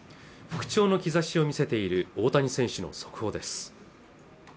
復調の兆しを見せている大谷選手の速報です